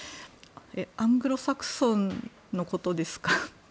アングロサクソンのことですか？